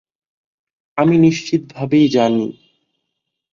আমি নিশ্চিতভাবেই জানি।